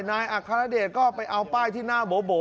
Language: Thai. อัครเดชก็ไปเอาป้ายที่หน้าโบ๋